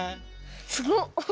すごっ！